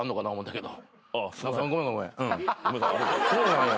そうなんや。